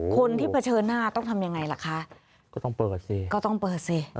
คนที่เผชิญหน้าต้องทำยังไงล่ะคะก็ต้องเปิดสิ